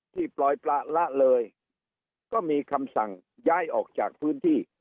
ปล่อยประละเลยก็มีคำสั่งย้ายออกจากพื้นที่